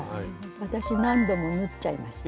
私何度も縫っちゃいました。